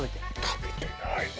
食べてないわ。